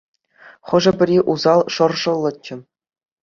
Хӑшӗ-пӗри усал шӑршӑллӑччӗ.